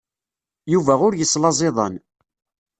Yuba ur yeslaẓ iḍan.